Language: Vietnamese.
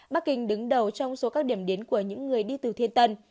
bắc kinh đứng đầu trong số các điểm đến của những người đi từ thiên tân